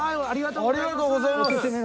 ありがとうございます。